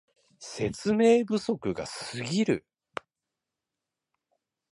説明不足がすぎる